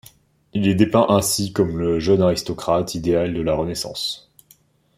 Il est dépeint ainsi comme le jeune aristocrate idéal de la Renaissance.